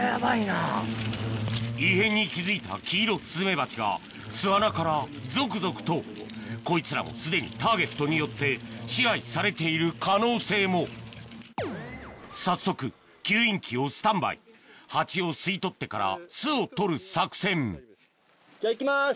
異変に気付いたキイロスズメバチが巣穴から続々とこいつらもすでにターゲットによって支配されている可能性も早速吸引機をスタンバイハチを吸い取ってから巣を取る作戦じゃあ行きます。